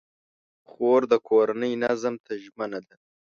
خور د کورنۍ نظم ته ژمنه ده.